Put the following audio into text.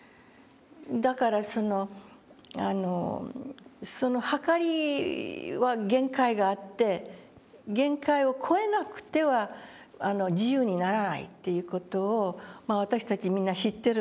だからその秤は限界があって限界を超えなくては自由にならないっていう事を私たちみんな知ってるわけですよ